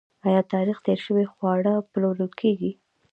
آیا تاریخ تیر شوي خواړه پلورل کیږي؟